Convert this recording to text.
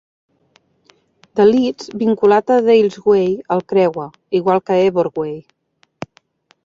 The Leeds vinculat a Dales Way el creua, igual que Ebor Way.